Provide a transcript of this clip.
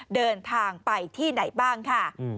เดินทางไปที่ไหนบ้างค่ะ